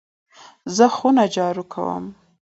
زه خونه جارو کوم .